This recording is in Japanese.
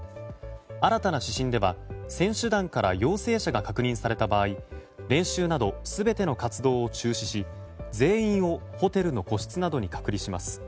新たな指針では選手団から陽性者が確認された場合練習など全ての活動を中止し全員をホテルの個室などに隔離します。